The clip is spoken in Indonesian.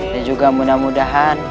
dan juga mudah mudahan